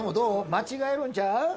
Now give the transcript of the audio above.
間違えるんちゃうか？